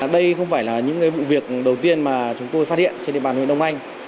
đây không phải là những vụ việc đầu tiên mà chúng tôi phát hiện trên địa bàn huyện đông anh